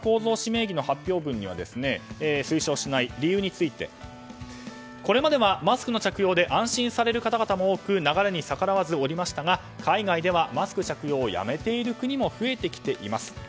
名義の発表文には推奨しない理由についてこれまではマスクの着用で安心される方々も多く流れに逆らわずおりましたが海外では、マスク着用をやめている国も増えてきています。